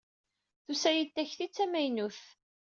Tusa-iyi-d takti d tamaynut.